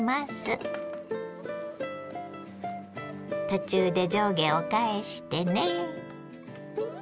途中で上下を返してね。